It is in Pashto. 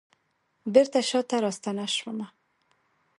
بیرته شاته راستنه شومه